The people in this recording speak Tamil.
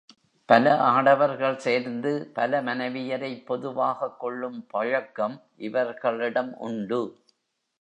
பல ஆடவர்கள் சேர்ந்து பல மனைவியரைப் பொதுவாகக் கொள்ளும் பழக்கமும் இவர்களிடம் உண்டு.